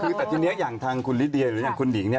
คือแต่ทีนี้อย่างทางคุณลิเดียหรืออย่างคุณหนิงเนี่ย